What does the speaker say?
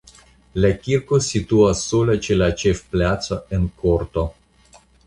La kirko situas sola ĉe la ĉefplaco en korto.